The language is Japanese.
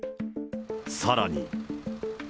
さらに。